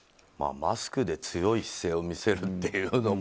マスクで強い姿勢を見せるというのも。